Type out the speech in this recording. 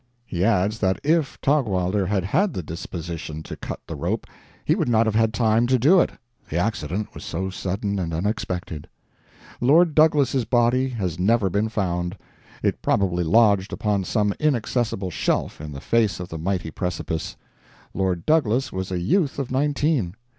He adds that if Taugwalder had had the disposition to cut the rope, he would not have had time to do it, the accident was so sudden and unexpected. Lord Douglas' body has never been found. It probably lodged upon some inaccessible shelf in the face of the mighty precipice. Lord Douglas was a youth of nineteen.